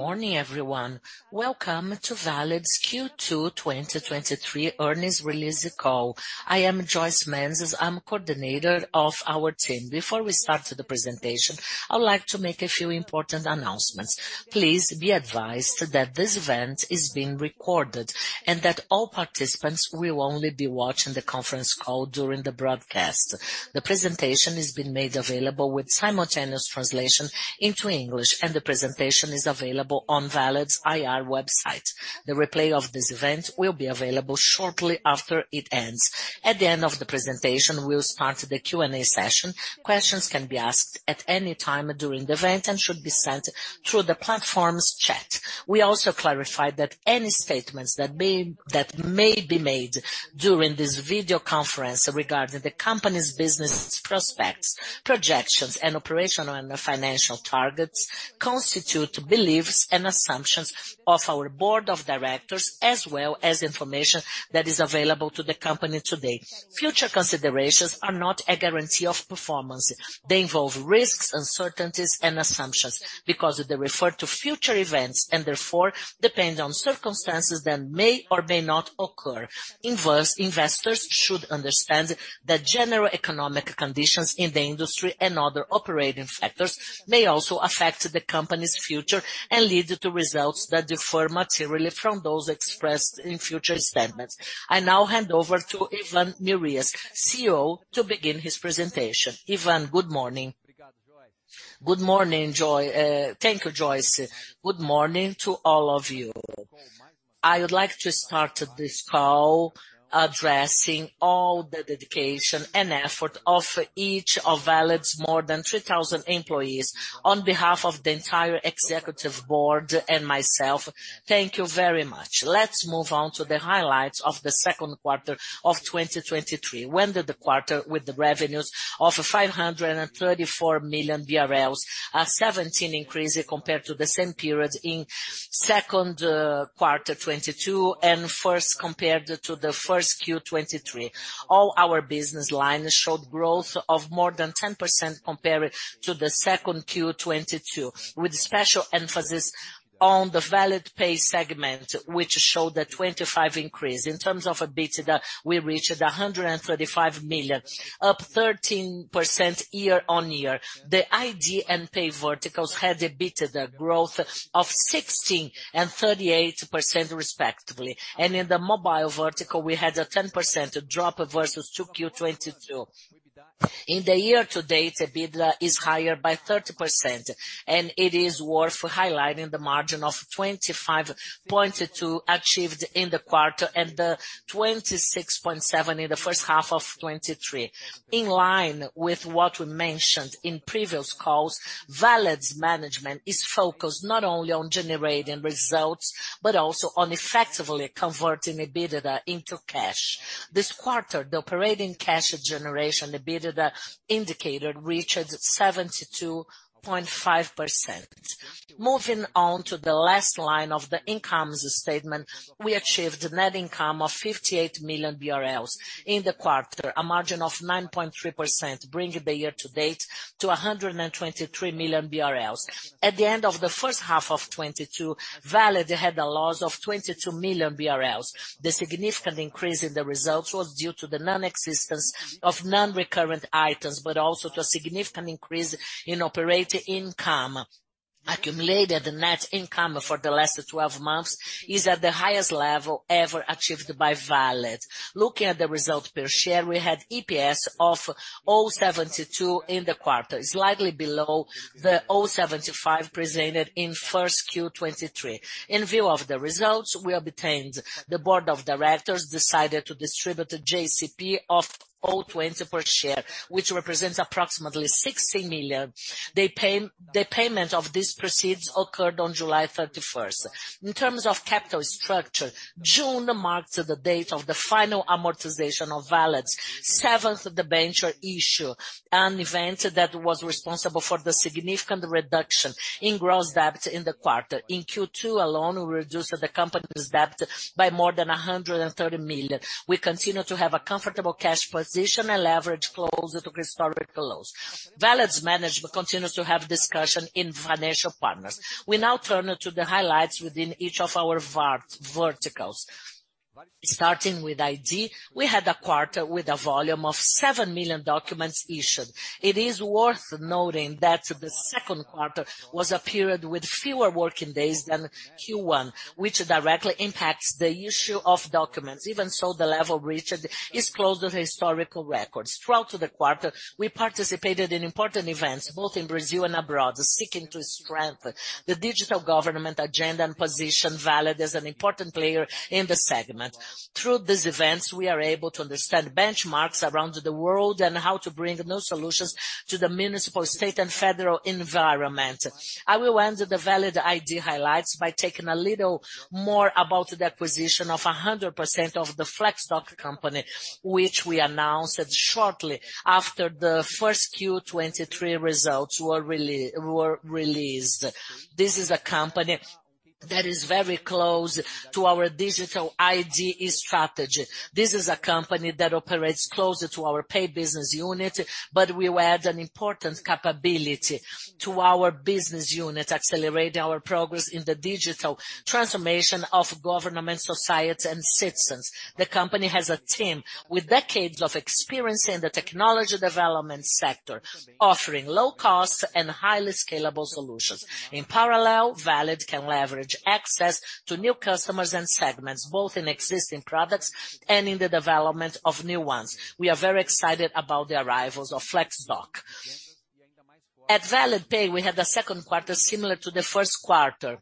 Morning, everyone. Welcome to Valid's Q2 2023 Earnings Release Call. I am Joyce Mendes, I'm coordinator of our team. Before we start the presentation, I would like to make a few important announcements. Please be advised that this event is being recorded, and that all participants will only be watching the conference call during the broadcast. The presentation is being made available with simultaneous translation into English, and the presentation is available on Valid's IR website. The replay of this event will be available shortly after it ends. At the end of the presentation, we'll start the Q&A session. Questions can be asked at any time during the event, and should be sent through the platform's chat. We also clarify that any statements that may be made during this video conference regarding the company's business prospects, projections, and operational and financial targets, constitute beliefs and assumptions of our board of directors, as well as information that is available to the company today. Future considerations are not a guarantee of performance. They involve risks, uncertainties and assumptions, because they refer to future events, and therefore, depend on circumstances that may or may not occur. Investors should understand that general economic conditions in the industry and other operating factors may also affect the company's future, and lead to results that differ materially from those expressed in future statements. I now hand over to Ivan Murias, CEO, to begin his presentation. Ivan, good morning. Good morning, Joy. Thank you, Joyce. Good morning to all of you. I would like to start this call addressing all the dedication and effort of each of Valid's more than 3,000 employees. On behalf of the entire executive board and myself, thank you very much. Let's move on to the highlights of the 2nd quarter of 2023, when the quarter, with the revenues of 534 million BRL, a 17% increase compared to the same period in 2nd quarter 2022, and 1st, compared to the 1st Q 2023. All our business lines showed growth of more than 10% compared to the 2nd Q 2022, with special emphasis on the Valid Pay segment, which showed a 25% increase. In terms of EBITDA, we reached 135 million, up 13% year-on-year. The ID and Pay verticals had EBITDA growth of 16% and 38%, respectively. In the mobile vertical, we had a 10% drop versus 2Q 2022. In the year to date, EBITDA is higher by 30%, and it is worth highlighting the margin of 25.2% achieved in the quarter, and the 26.7% in the first half of 2023. In line with what we mentioned in previous calls, Valid's management is focused not only on generating results, but also on effectively converting EBITDA into cash. This quarter, the operating cash generation, EBITDA indicator, reached 72.5%. Moving on to the last line of the income statement, we achieved a net income of 58 million BRL in the quarter, a margin of 9.3%, bringing the year to date to 123 million BRL. At the end of the first half of 2022, Valid had a loss of 22 million BRL. The significant increase in the results was due to the non-existence of non-recurrent items, but also to a significant increase in operating income. Accumulated net income for the last 12 months is at the highest level ever achieved by Valid. Looking at the results per share, we had EPS of 0.72 in the quarter, slightly below the 0.75 presented in first Q 2023. In view of the results we have obtained, the board of directors decided to distribute a JCP of 0.20 per share, which represents approximately 60 million. The payment of these proceeds occurred on July 31st. In terms of capital structure, June marks the date of the final amortization of Valid's seventh debenture issue, an event that was responsible for the significant reduction in gross debt in the quarter. In Q2 alone, we reduced the company's debt by more than 130 million. We continue to have a comfortable cash position and leverage closer to historical lows. Valid's management continues to have discussion in financial partners. We now turn to the highlights within each of our verticals. Starting with ID, we had a quarter with a volume of 7 million documents issued. It is worth noting that the second quarter was a period with fewer working days than Q1, which directly impacts the issue of documents. Even so, the level reached is close to historical records. Throughout the quarter, we participated in important events, both in Brazil and abroad, seeking to strengthen the digital government agenda and position Valid as an important player in the segment. Through these events, we are able to understand benchmarks around the world, and how to bring new solutions to the municipal, state, and federal environment. I will end the Valid ID highlights by taking a little more about the acquisition of 100% of the Flexdoc company, which we announced shortly after the 1Q 2023 results were released. This is a company that is very close to our digital ID strategy. This is a company that operates closer to our pay business unit, we add an important capability to our business unit, accelerating our progress in the digital transformation of government, society, and citizens. The company has a team with decades of experience in the technology development sector, offering low cost and highly scalable solutions. In parallel, Valid can leverage access to new customers and segments, both in existing products and in the development of new ones. We are very excited about the arrivals of Flexdoc. At Valid Pay, we had the 2Q similar to the 1Q.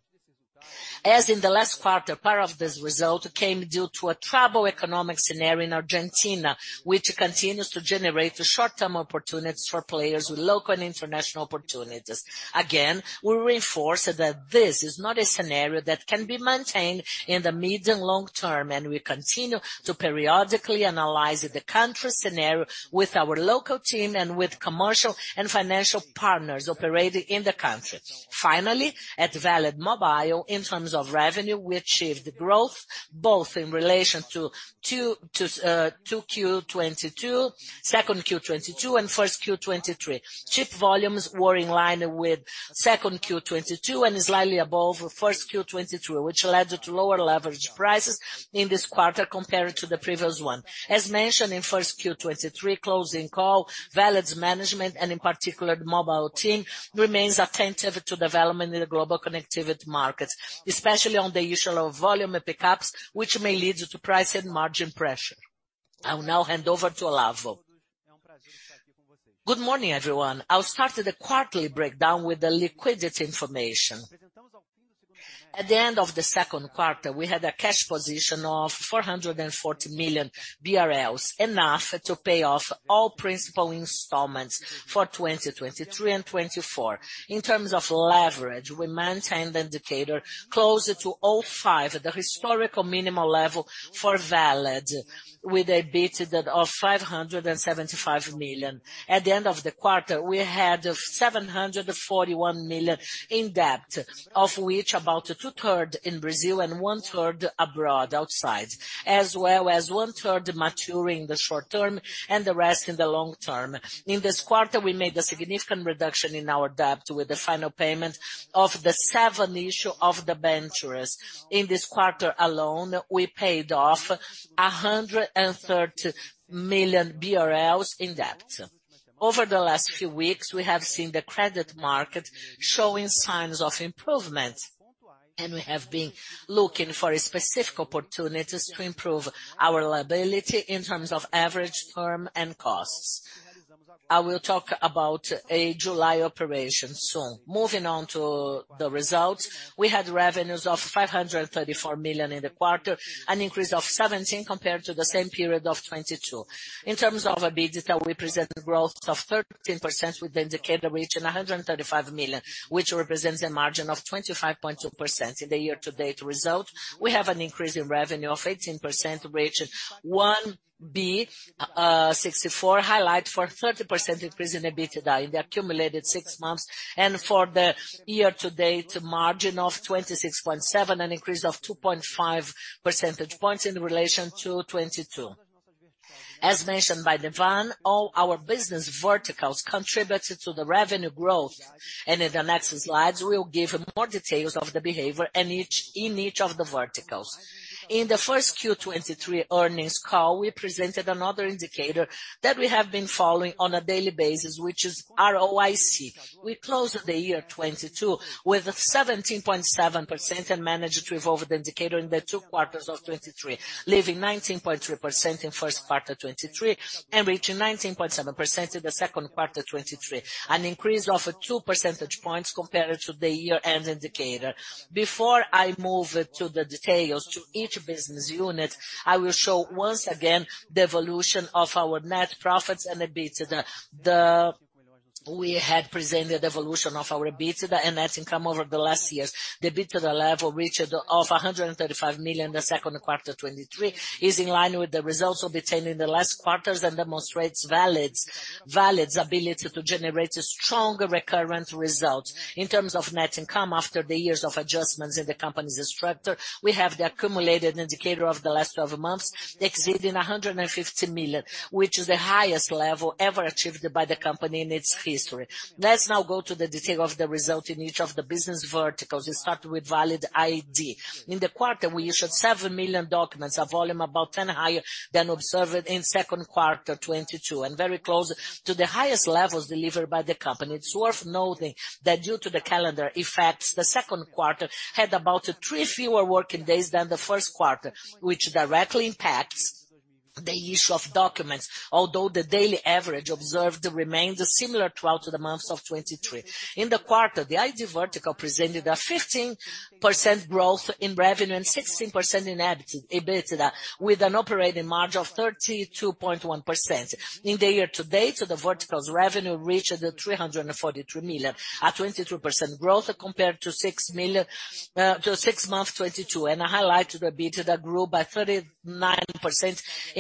As in the last quarter, part of this result came due to a tough economic scenario in Argentina, which continues to generate short-term opportunities for players with local and international opportunities. Again, we reinforce that this is not a scenario that can be maintained in the medium long term. We continue to periodically analyze the country scenario with our local team and with commercial and financial partners operating in the country. Finally, at Valid Mobile, in terms of revenue, we achieved growth both in relation to 2, to Q 22, 2Q 22, and 1Q 23. Chip volumes were in line with 2Q 22 and slightly above 1Q 23, which led to lower leverage prices in this quarter compared to the previous one. As mentioned in 1Q 2023 closing call, Valid's management, and in particular, the mobile team, remains attentive to development in the global connectivity markets, especially on the usual of volume pickups, which may lead to price and margin pressure.I will now hand over to Olavo. Good morning, everyone. I'll start the quarterly breakdown with the liquidity information. At the end of the second quarter, we had a cash position of 440 million BRL, enough to pay off all principal installments for 2023 and 2024. In terms of leverage, we maintained the indicator closer to 0.5, the historical minimal level for Valid, with EBITDA of 575 million. At the end of the quarter, we had 741 million in debt, of which about 2/3 in Brazil and 1/3 abroad, outside, as well as 1/3 maturing in the short term and the rest in the long term. In this quarter, we made a significant reduction in our debt with the final payment of the seventh issue of the debentures. In this quarter alone, we paid off 130 million BRL in debt. Over the last few weeks, we have seen the credit market showing signs of improvement, and we have been looking for specific opportunities to improve our liability in terms of average term and costs. I will talk about a July operation soon. Moving on to the results, we had revenues of 534 million in the quarter, an increase of 17% compared to the same period of 2022. In terms of EBITDA, we presented growth of 13% with the indicator reaching 135 million, which represents a margin of 25.2%. In the year-to-date result, we have an increase in revenue of 18%, reaching 1.64 billion, highlight for 30% increase in EBITDA in the accumulated 6 months, and for the year-to-date, a margin of 26.7, an increase of 2.5 percentage points in relation to 2022. As mentioned by Devon, all our business verticals contributed to the revenue growth, and in the next slides, we'll give more details of the behavior and each, in each of the verticals. In the 1Q 2023 earnings call, we presented another indicator that we have been following on a daily basis, which is ROIC. We closed the year 2022 with 17.7% and managed to evolve the indicator in the 2 quarters of 2023, leaving 19.3% in first quarter 2023 and reaching 19.7% in the second quarter 2023, an increase of 2 percentage points compared to the year-end indicator. Before I move to the details to each business unit, I will show once again the evolution of our net profits and EBITDA. We had presented the evolution of our EBITDA and net income over the last years. The EBITDA level reached of 135 million, the second quarter 2023, is in line with the results obtained in the last quarters and demonstrates Valid's, Valid's ability to generate stronger recurrent results. In terms of net income, after the years of adjustments in the company's structure, we have the accumulated indicator of the last 12 months exceeding 150 million, which is the highest level ever achieved by the company in its history. Let's now go to the detail of the result in each of the business verticals. We start with Valid ID. In the quarter, we issued 7 million documents, a volume about 10 higher than observed in 2Q22, and very close to the highest levels delivered by the company. It's worth noting that due to the calendar effects, the 2Q had about 3 fewer working days than the 1Q, which directly impacts the issue of documents, although the daily average observed remains similar throughout the months of 2023. In the quarter, the ID vertical presented a 15% growth in revenue and 16% in EBITDA, with an operating margin of 32.1%. In the year to date, the vertical's revenue reached 343 million, at 23% growth compared to 6 million, to six months 2022. I highlight the EBITDA grew by 39%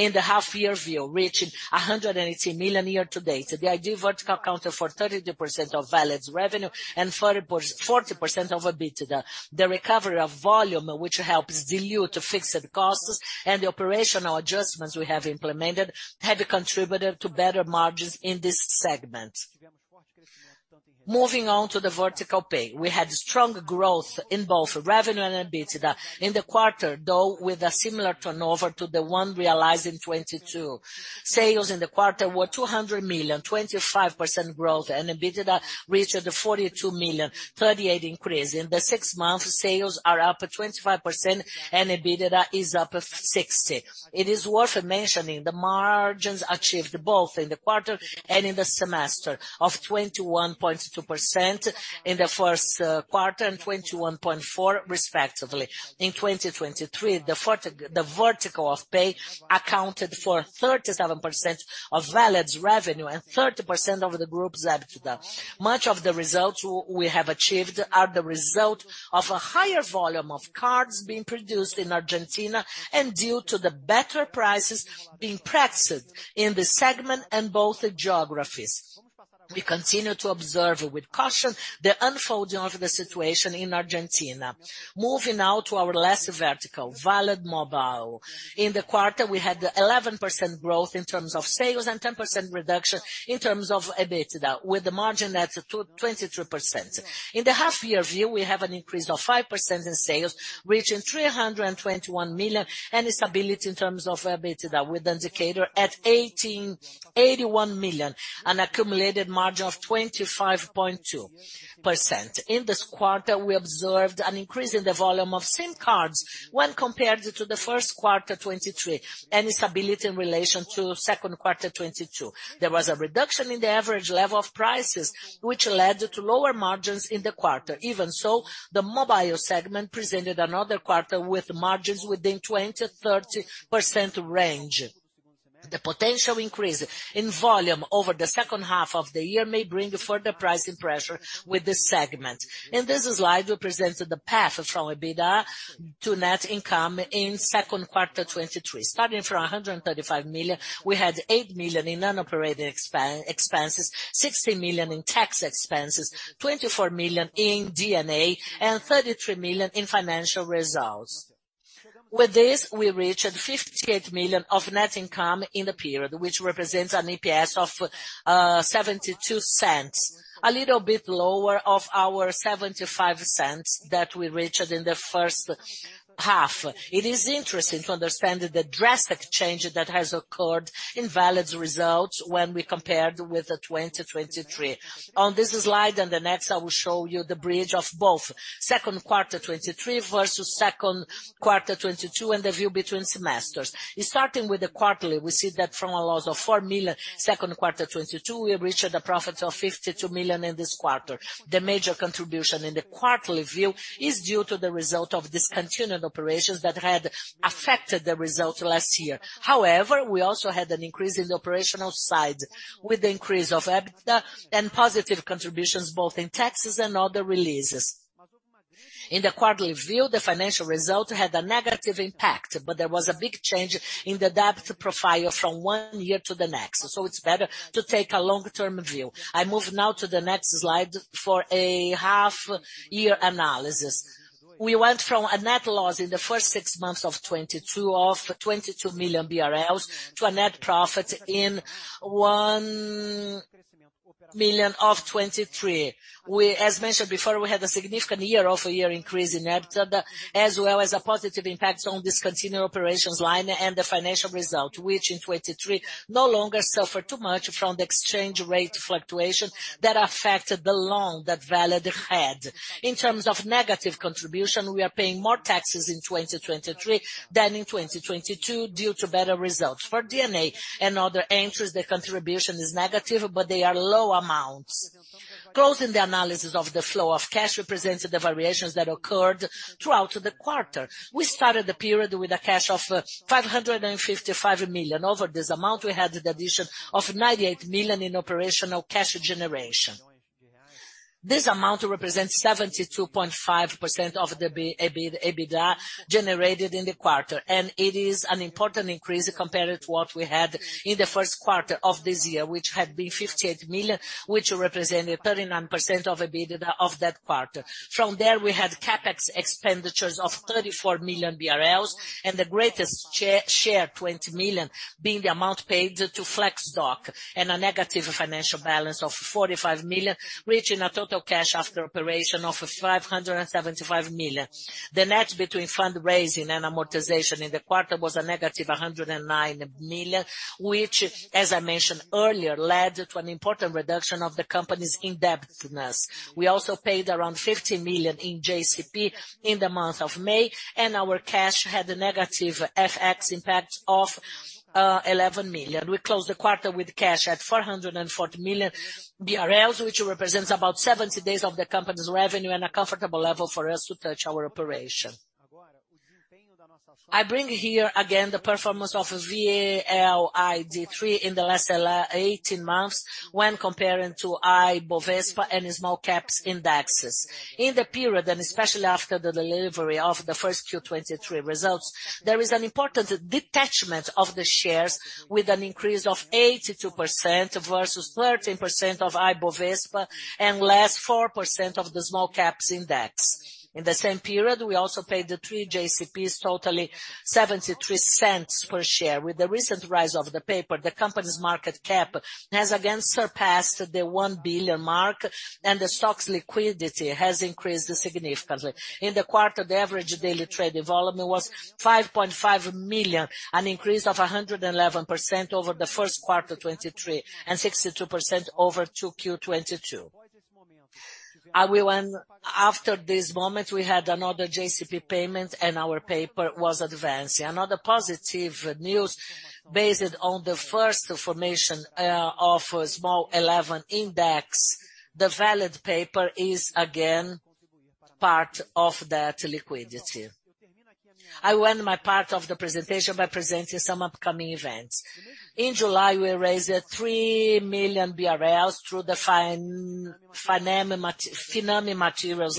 in the half year view, reaching 118 million year to date. The ID vertical accounted for 32% of Valid's revenue and 40% of EBITDA. The recovery of volume, which helps dilute fixed costs and the operational adjustments we have implemented, have contributed to better margins in this segment....Moving on to the vertical Pay. We had strong growth in both revenue and EBITDA in the quarter, though, with a similar turnover to the one realized in 2022. Sales in the quarter were 200 million, 25% growth. EBITDA reached 42 million, 38% increase. In the six months, sales are up 25%. EBITDA is up 60%. It is worth mentioning, the margins achieved both in the quarter and in the semester of 21.2% in the first quarter, 21.4% respectively. In 2023, the vertical of Valid Pay accounted for 37% of Valid's revenue and 30% of the group's EBITDA. Much of the results we have achieved are the result of a higher volume of cards being produced in Argentina and due to the better prices being practiced in the segment and both the geographies. We continue to observe with caution the unfolding of the situation in Argentina. Moving now to our last vertical, Valid Mobile. In the quarter, we had 11% growth in terms of sales and 10% reduction in terms of EBITDA, with the margin at 23%. In the half year view, we have an increase of 5% in sales, reaching 321 million, and a stability in terms of EBITDA with indicator at 81 million, an accumulated margin of 25.2%. In this quarter, we observed an increase in the volume of SIM cards when compared to the first quarter 2023, and a stability in relation to second quarter 2022. There was a reduction in the average level of prices, which led to lower margins in the quarter. Even so, the mobile segment presented another quarter with margins within 20%-30% range. The potential increase in volume over the second half of the year may bring further pricing pressure with this segment. In this slide, we presented the path from EBITDA to net income in 2Q 2023. Starting from 135 million, we had 8 million in non-operating expenses, 16 million in tax expenses, 24 million in D&A, and 33 million in financial results. With this, we reached 58 million of net income in the period, which represents an EPS of 0.72, a little bit lower of our 0.75 that we reached in the first half. It is interesting to understand the drastic change that has occurred in Valid's results when we compared with the 2023. On this slide and the next, I will show you the bridge of both 2Q 2023 versus 2Q 2022, and the view between semesters. Starting with the quarterly, we see that from a loss of 4 million, second quarter 2022, we reached a profit of 52 million in this quarter. The major contribution in the quarterly view is due to the result of discontinued operations that had affected the results last year. However, we also had an increase in the operational side, with the increase of EBITDA and positive contributions both in taxes and other releases. In the quarterly view, the financial result had a negative impact, but there was a big change in the debt profile from one year to the next, so it's better to take a longer term view. I move now to the next slide for a half year analysis. We went from a net loss in the first six months of 2022 of 22 million BRL to a net profit in 1 million of 2023. As mentioned before, we had a significant year-over-year increase in EBITDA, as well as a positive impact on discontinued operations line and the financial result, which in 2023 no longer suffer too much from the exchange rate fluctuation that affected the loan that Valid had. In terms of negative contribution, we are paying more taxes in 2023 than in 2022, due to better results. For D&A and other entries, the contribution is negative, but they are low amounts. Closing the analysis of the flow of cash represents the variations that occurred throughout the quarter. We started the period with a cash of 555 million. Over this amount, we had the addition of 98 million in operational cash generation. This amount represents 72.5% of the B- EBITDA generated in the quarter. It is an important increase compared to what we had in the first quarter of this year, which had been 58 million, which represented 39% of EBITDA of that quarter. We had CapEx expenditures of 34 million BRL, and the greatest sha- share, 20 million, being the amount paid to Flexdoc, and a negative financial balance of 45 million, reaching a total cash after operation of 575 million. The net between fundraising and amortization in the quarter was a negative 109 million, which, as I mentioned earlier, led to an important reduction of the company's indebtedness. We also paid around 50 million in JCP in the month of May. Our cash had a negative FX impact of 11 million. We closed the quarter with cash at 440 million BRL, which represents about 70 days of the company's revenue and a comfortable level for us to touch our operation. I bring here again the performance of VLID3 in the last 18 months when comparing to Ibovespa and Small Caps indexes. In the period, and especially after the delivery of the first Q-twenty-three results, there is an important detachment of the shares with an increase of 82% versus 13% of Ibovespa, and last 4% of the Small Caps index. In the same period, we also paid the 3 JCPs, totally 0.73 per share. With the recent rise of the paper, the company's market cap has again surpassed the 1 billion mark, and the stock's liquidity has increased significantly. In the quarter, the average daily trade volume was 5.5 million, an increase of 111% over the first quarter, 2023, and 62% over 2Q, 2022. We went, after this moment, we had another JCP payment and our paper was advancing. Another positive news based on the first information, of a SMAL11 index, the Valid paper is again part of that liquidity. I want my part of the presentation by presenting some upcoming events. In July, we raised 3 million BRL through the BNDES FINAME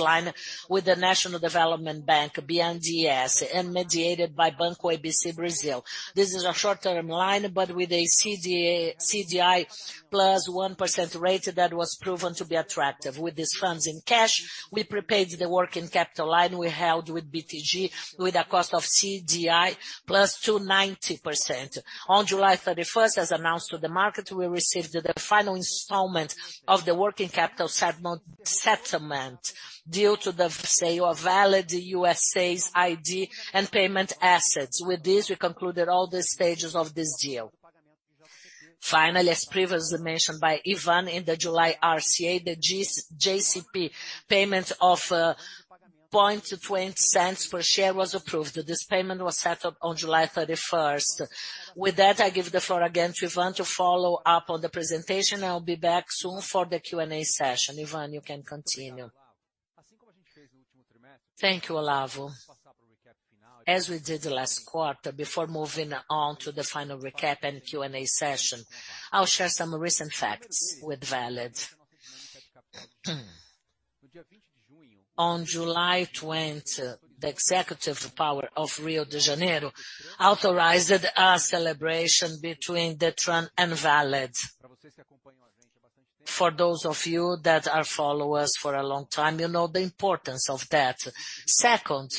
line with the Brazilian Development Bank, BNDES, and mediated by Banco ABC Brasil. This is a short-term line, but with a CDI plus 1% rate that was proven to be attractive. With these funds in cash, we prepaid the working capital line we held with BTG, with a cost of CDI plus 2.90%. On July 31st, as announced to the market, we received the final installment of the working capital settlement, due to the sale of Valid USA's ID and payment assets. With this, we concluded all the stages of this deal. As previously mentioned by Ivan in the July RCA, the JCP payment of 0.002 per share was approved. This payment was set up on July 31st. With that, I give the floor again to Ivan to follow up on the presentation. I'll be back soon for the Q&A session. Ivan, you can continue. Thank you, Olavo. As we did last quarter, before moving on to the final recap and Q&A session, I'll share some recent facts with Valid. On July 20th, the executive power of Rio de Janeiro authorized a celebration between Detran and Valid. For those of you that are follow us for a long time, you know the importance of that. Second,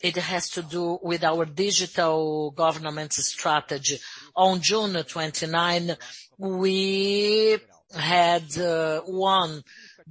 it has to do with our digital government strategy. On June 29th, we had, one,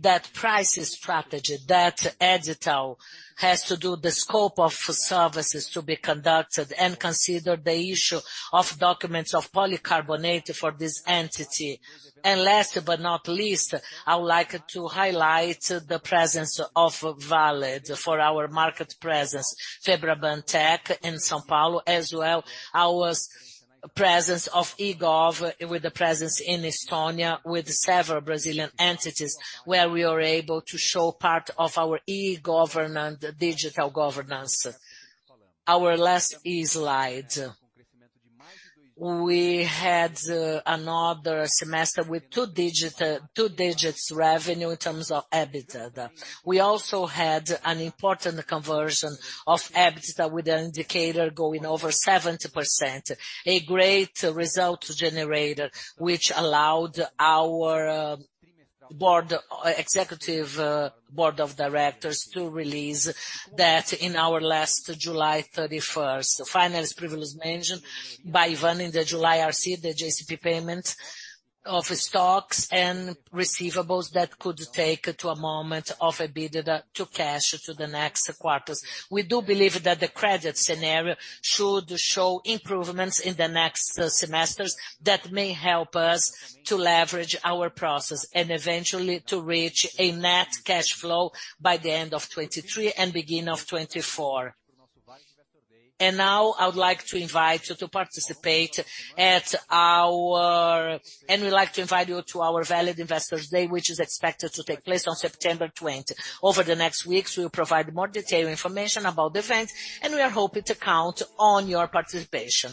that price strategy, that edital, has to do the scope of services to be conducted and consider the issue of documents of polycarbonate for this entity. Last but not least, I would like to highlight the presence of Valid for our market presence, FEBRABAN TECH in São Paulo, as well our presence of eGov with the presence in Estonia, with several Brazilian entities, where we are able to show part of our digital governance. Our last e-slide. We had another semester with 2-digit, 2 digits revenue in terms of EBITDA. We also had an important conversion of EBITDA, with the indicator going over 70%. A great result generator, which allowed our board, executive board of directors to release that in our last July 31st. Finally, as previously mentioned by Ivan in the July RC, the JCP payment of stocks and receivables that could take to a moment of EBITDA to cash to the next quarters. We do believe that the credit scenario should show improvements in the next semesters that may help us to leverage our process and eventually to reach a net cash flow by the end of 2023 and beginning of 2024. Now we'd like to invite you to our Valid Investors Day, which is expected to take place on September 20th. Over the next weeks, we'll provide more detailed information about the event. We are hoping to count on your participation.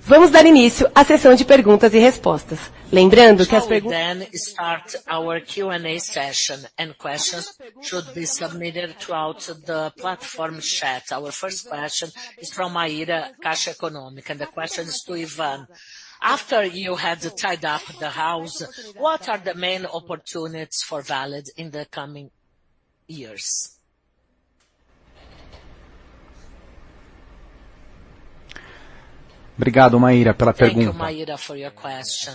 We shall then start our Q&A session. Questions should be submitted throughout the platform chat. Our first question is from Maira, Caixa Econômica Federal. The question is to Ivan: After you have tied up the house, what are the main opportunities for Valid in the coming years? Thank you, Maira, for your question.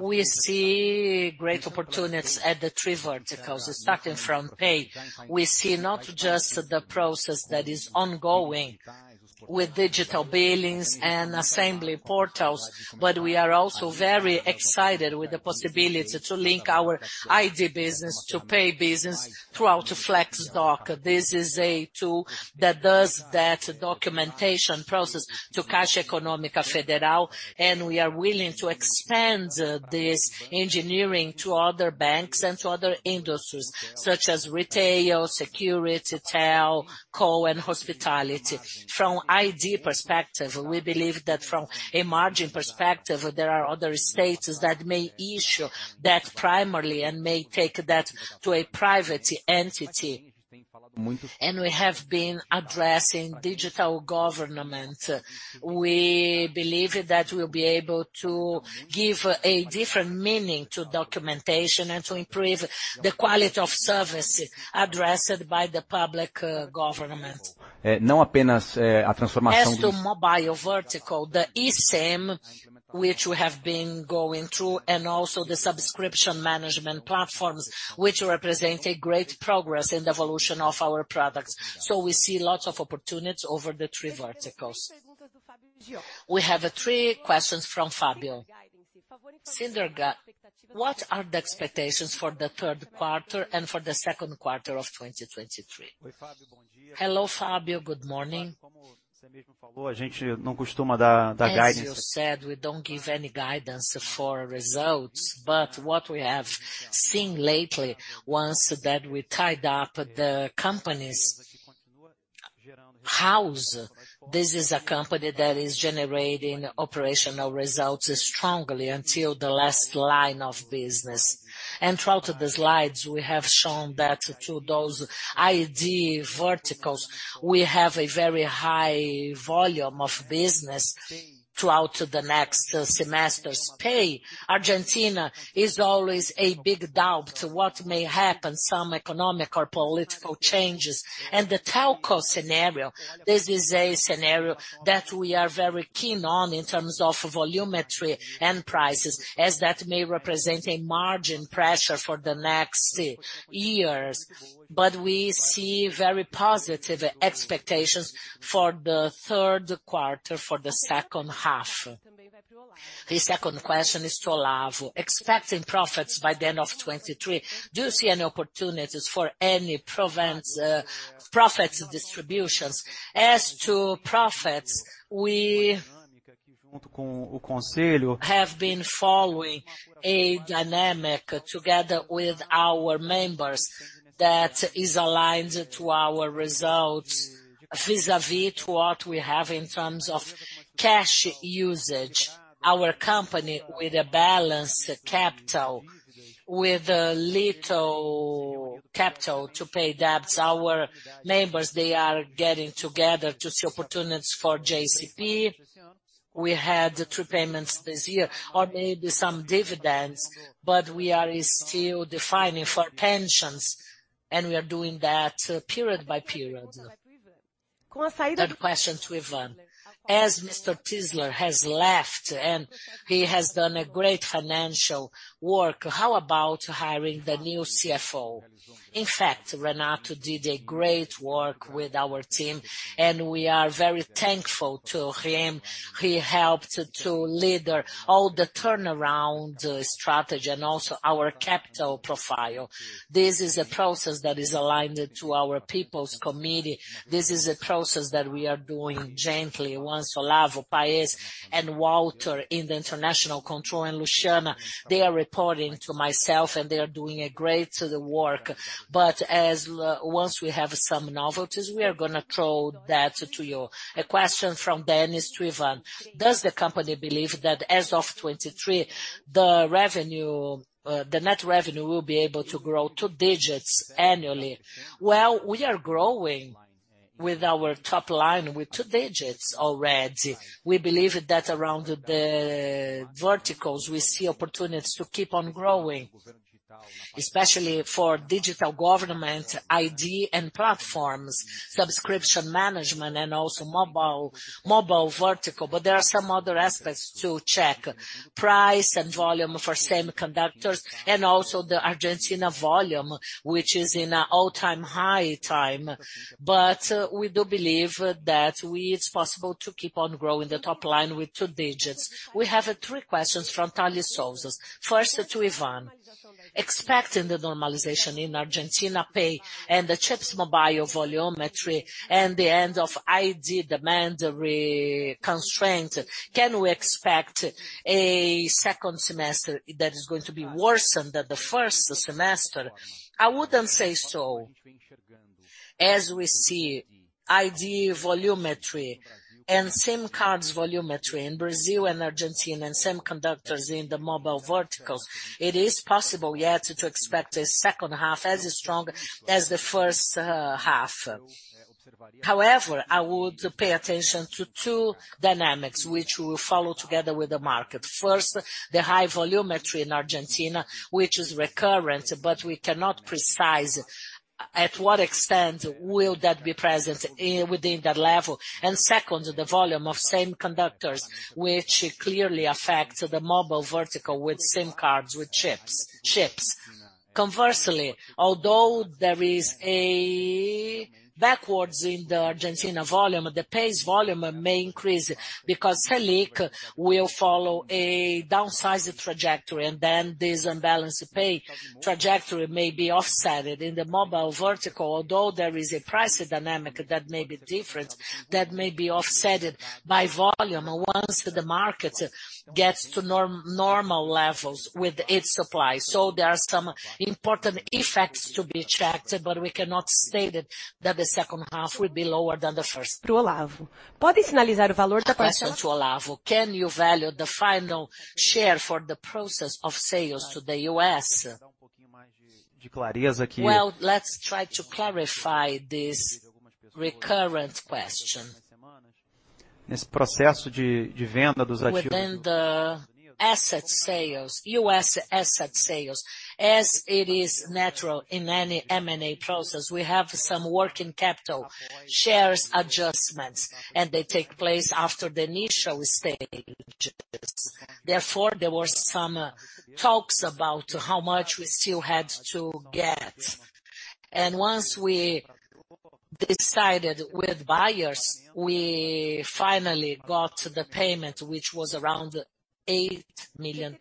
We see great opportunities at the three verticals. Starting from Pay, we see not just the process that is ongoing with digital billings and assembly portals, but we are also very excited with the possibility to link our ID business to Pay business throughout the Flexdoc. This is a tool that does that documentation process to Caixa Econômica Federal, and we are willing to expand this engineering to other banks and to other industries, such as retail, security, telco, and hospitality. From ID perspective, we believe that from a margin perspective, there are other states that may issue that primarily and may take that to a private entity. We have been addressing digital government. We believe that we'll be able to give a different meaning to documentation and to improve the quality of service addressed by the public government. As to mobile vertical, the eSIM, which we have been going through, and also the subscription management platforms, which represent a great progress in the evolution of our products. We see lots of opportunities over the three verticals. We have three questions from Fabio. Cinderga, what are the expectations for the third quarter and for the second quarter of 2023? Hello, Fabio. Good morning. As you said, we don't give any guidance for results, but what we have seen lately, once that we tied up the company's house, this is a company that is generating operational results strongly until the last line of business. Throughout the slides, we have shown that to those ID verticals, we have a very high volume of business throughout the next semester's pay. Argentina is always a big doubt to what may happen, some economic or political changes. The telco scenario, this is a scenario that we are very keen on in terms of volumetry and prices, as that may represent a margin pressure for the next years. We see very positive expectations for the third quarter, for the second half. The second question is to Olavo. Expecting profits by the end of 23, do you see any opportunities for any provision, profits distributions? As to profits, we have been following a dynamic together with our members that is aligned to our results. Vis-a-vis to what we have in terms of cash usage, our company with a balanced capital, with little capital to pay debts, our neighbors, they are getting together to see opportunities for JCP. We had 3 payments this year, or maybe some dividends, but we are still defining for pensions, and we are doing that period by period. Third question to Ivan. As Mr. Tizzler has left, and he has done a great financial work, how about hiring the new CFO? In fact, Renato did a great work with our team, and we are very thankful to him. He helped to lead the, all the turnaround strategy and also our capital profile. This is a process that is aligned to our people's committee. This is a process that we are doing gently. Once Olavo, Paez, and Walter in the international control, and Luciana, they are reporting to myself, and they are doing a great work. As-- Once we have some novelties, we are gonna throw that to you. A question from Dennis to Ivan:Does the company believe that as of 23, the revenue, the net revenue will be able to grow 2 digits annually? Well, we are growing with our top line with 2 digits already. We believe that around the verticals, we see opportunities to keep on growing, especially for digital government, ID and platforms, subscription management, and also mobile, mobile vertical. There are some other aspects to check. Price and volume for semiconductors, and also the Argentina volume, which is in an all-time high time. We do believe that it's possible to keep on growing the top line with 2 digits. We have 3 questions from Talley Sousas. First, to Ivan. Expecting the normalization in Argentina Pay and the chips mobile volumetry and the end of ID mandatory constraint, can we expect a second semester that is going to be worse than the first semester? I wouldn't say so. As we see, ID volumetry and SIM cards volumetry in Brazil and Argentina, and semiconductors in the mobile verticals, it is possible, yeah, to expect a second half as strong as the first half. However, I would pay attention to 2 dynamics, which we will follow together with the market. The high volumetry in Argentina, which is recurrent, but we cannot precise at what extent will that be present within that level. Second, the volume of semiconductors, which clearly affects the mobile vertical with SIM cards, with chips. Conversely, although there is a backwards in the Argentina volume, the pace volume may increase because SELIC will follow a downsized trajectory, then this unbalanced pay trajectory may be offset. In the mobile vertical, although there is a price dynamic that may be different, that may be offset by volume once the market gets to normal levels with its supply. There are some important effects to be checked, but we cannot state that the second half will be lower than the first. Question to Olavo: Can you value the final share for the process of sales to the U.S.? Well, let's try to clarify this recurrent question. Nesse processo de, de venda dos ativos? Within the asset sales, U.S. asset sales, as it is natural in any M&A process, we have some working capital shares adjustments. They take place after the initial stages. There were some talks about how much we still had to get. Once we decided with buyers, we finally got the payment, which was around $8 million.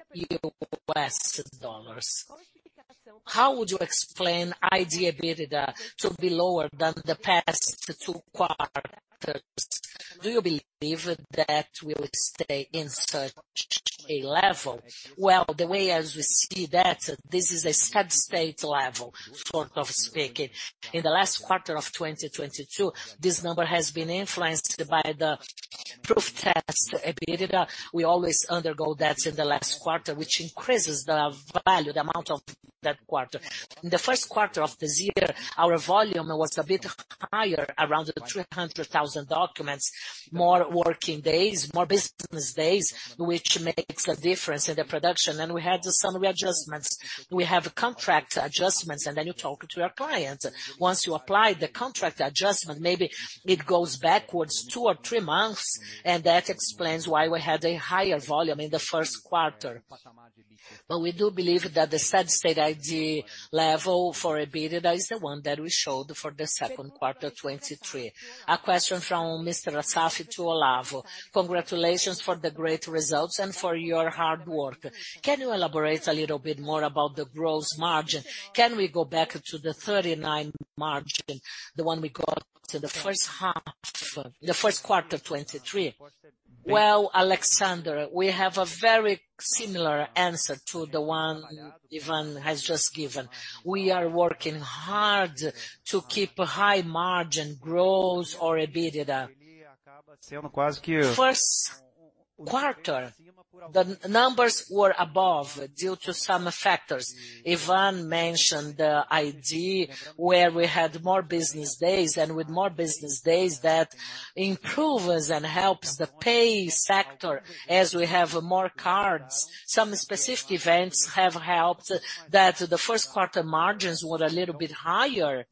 How would you explain ID EBITDA to be lower than the past two quarters? Do you believe that we will stay in such a level? Well, the way as we see that, this is a steady-state level, so to speak. In the last quarter of 2022, this number has been influenced by the proof test EBITDA. We always undergo that in the last quarter, which increases the value, the amount of that quarter. In the first quarter of this year, our volume was a bit higher, around 300,000 documents, more working days, more business days, which makes a difference in the production. We had some readjustments. We have contract adjustments, and then you talk to your clients. Once you apply the contract adjustment, maybe it goes backwards 2 or 3 months, and that explains why we had a higher volume in the first quarter. We do believe that the steady-state ID level for EBITDA is the one that we showed for the second quarter 2023. A question from Mr. Assafi to Olavo: Congratulations for the great results and for your hard work. Can you elaborate a little bit more about the gross margin? Can we go back to the 39% margin, the one we got to the first half-- the first quarter of 2023? Well, Alexander, we have a very similar answer to the one Ivan has just given. We are working hard to keep a high margin gross or EBITDA. First quarter, the numbers were above due to some factors. Ivan mentioned the ID, where we had more business days, and with more business days, that improves and helps the pay sector as we have more cards. Some specific events have helped that the first quarter margins were a little bit higher.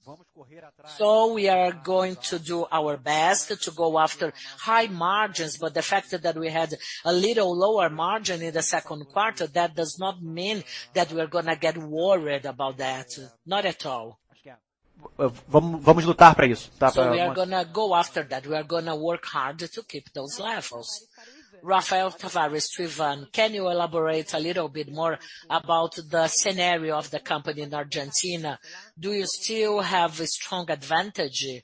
We are going to do our best to go after high margins, but the fact that we had a little lower margin in the second quarter, that does not mean that we're gonna get worried about that. Not at all. vamos, vamos lutar pra isso, tá? We are gonna go after that. We are gonna work hard to keep those levels. Rafael Tavares to Ivan: Can you elaborate a little bit more about the scenario of the company in Argentina? Do you still have a strong advantage?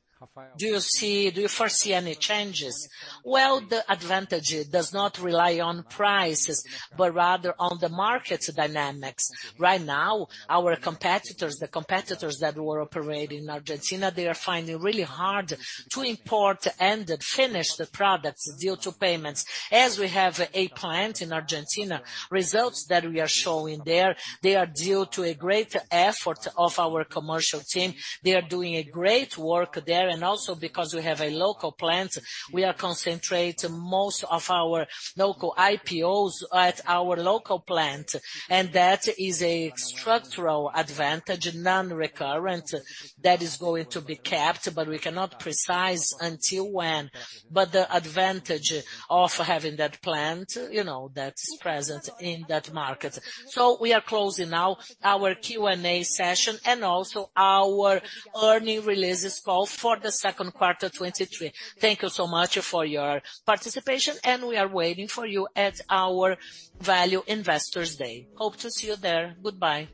Do you foresee any changes? The advantage does not rely on prices, but rather on the market's dynamics. Right now, our competitors, the competitors that were operating in Argentina, they are finding really hard to import and finish the products due to payments. As we have a plant in Argentina, results that we are showing there, they are due to a great effort of our commercial team. They are doing a great work there, and also because we have a local plant, we are concentrating most of our local IDs at our local plant, and that is a structural advantage, non-recurrent, that is going to be kept, but we cannot precise until when. The advantage of having that plant, you know, that's present in that market. We are closing now our Q&A session and also our earnings release call for the second quarter 2023. Thank you so much for your participation, and we are waiting for you at our Valid Investors Day. Hope to see you there. Goodbye.